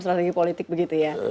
strategi politik begitu ya